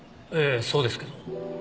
ええそうですけど。